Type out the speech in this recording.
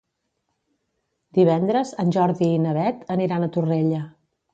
Divendres en Jordi i na Beth aniran a Torrella.